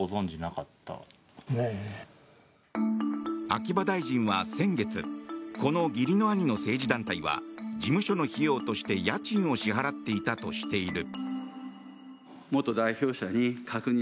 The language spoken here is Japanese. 秋葉大臣は先月この義理の兄の政治団体は事務所の費用として家賃を支払っていたとしている。